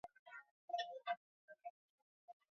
benki kuu ina wajibu wa kubuni na kuagiza noti na sarafu